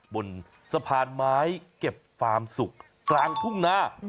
บนสะพานไม้เก็บฟาร์มสุขกลางทุ่งนา